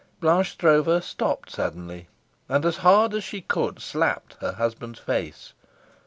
Blanche Stroeve stopped suddenly, and as hard as she could slapped her husband's face.